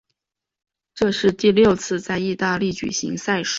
这是第六次在意大利举行赛事。